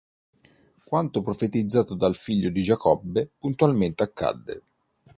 Quanto profetizzato dal figlio di Giacobbe puntualmente accade.